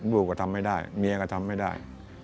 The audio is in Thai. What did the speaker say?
ลูกก็ทำไม่ได้เมียก็ทำไม่ได้